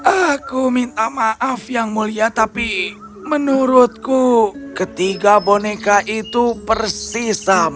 aku minta maaf yang mulia tapi menurutku ketiga boneka itu persis sama